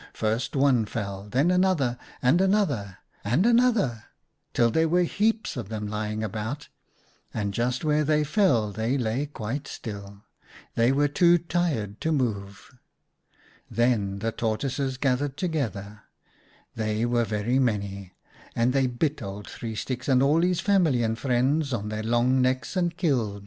First one fell, and then another, and another, and another, till there were heaps of them lying about, and just where they fell they lay quite still. They were too tired to move. 44 Then the Tortoises gathered together — they were very many — and they bit Old Three Sticks and all his family and friends on their long necks and killed them.